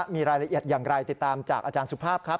มีรายละเอียดอย่างไรติดตามจากอาจารย์สุภาพครับ